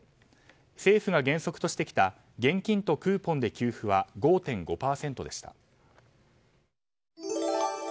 政府が原則としてきた現金とクーポンで給付は５．５％でした。